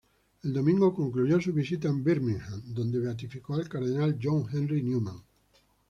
El domingo concluyó su visita en Birmingham, donde beatificó al cardenal John Henry Newman.